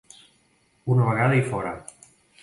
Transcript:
Una vegada i fora.